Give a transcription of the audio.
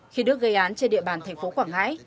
khi đức gây án trên địa bàn thành phố quảng ngãi